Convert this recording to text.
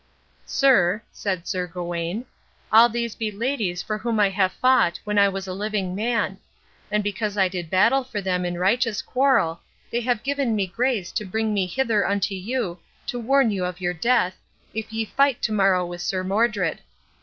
"Sir," said Sir Gawain, "all these be ladies for whom I have fought when I was a living man; and because I did battle for them in righteous quarrel they have given me grace to bring me hither unto you to warn you of your death, if ye fight to morrow with Sir Modred.